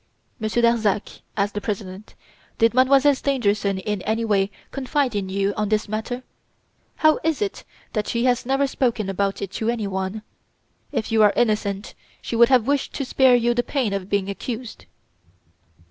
"Monsieur Darzac," asked the President, "did Mademoiselle Stangerson in any way confide in you on this matter? How is it that she has never spoken about it to anyone? If you are innocent, she would have wished to spare you the pain of being accused."